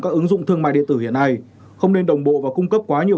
các ứng dụng thương mại điện tử hiện nay không nên đồng bộ và cung cấp quá nhiều